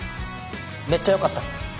めっちゃよかったっす。